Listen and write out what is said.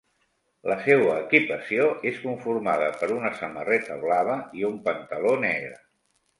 La seua equipació és conformada per una samarreta blava i un pantaló negre.